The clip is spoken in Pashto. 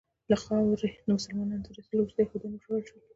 له خاورې د مسلمانانو تر ایستلو وروسته یهودیان وشړل سول.